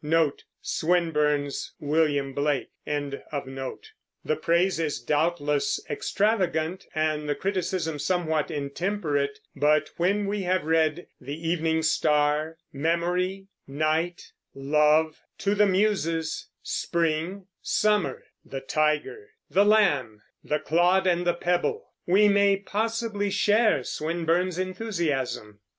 The praise is doubtless extravagant, and the criticism somewhat intemperate; but when we have read "The Evening Star," "Memory," "Night," "Love," "To the Muses," "Spring," "Summer," "The Tiger," "The Lamb," "The Clod and the Pebble," we may possibly share Swinburne's enthusiasm.